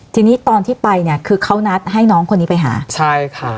ทีนี้ตอนที่ไปเนี่ยคือเขานัดให้น้องคนนี้ไปหาใช่ค่ะ